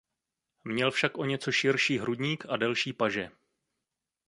Měl však o něco širší hrudník a delší paže.